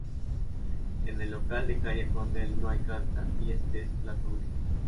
En el local de calle Condell no hay carta y este es plato único.